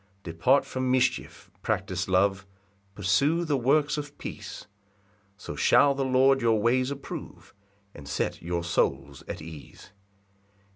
2 Depart from mischief, practise love, Pursue the works of peace; So shall the Lord your ways approve, And set your souls at ease.